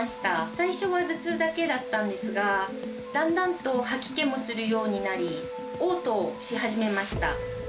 最初は頭痛だけだったんですがだんだんと吐き気もするようになり嘔吐をし始めました。